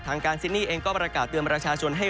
ทางการซิดนี่เองก็ประกาศเตรียมราชาชน